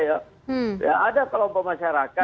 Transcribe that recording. ya ada kelompok masyarakat